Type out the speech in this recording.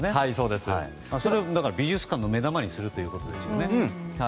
だからそれを美術館の目玉にするってことですよね。